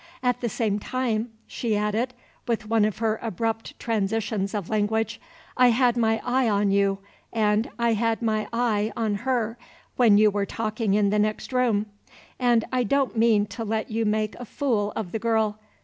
At the same time," she added, with one of her abrupt transitions of language, "I had my eye on you, and I had my eye on her, when you were talking in the next room; and I don't mean to let you make a fool of the girl.